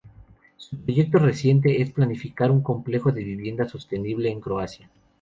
Su proyecto reciente es planificar un complejo de viviendas sostenible en Croacia.